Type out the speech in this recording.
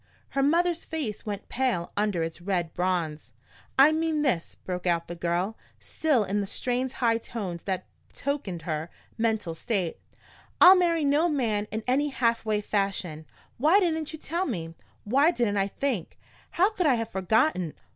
Her mother's face went pale under its red bronze. "I mean this," broke out the girl, still in the strained high tones that betokened her mental state: "I'll marry no man in any halfway fashion! Why didn't you tell me? Why didn't I think? How could I have forgotten?